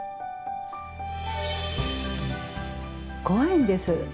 怖いんです。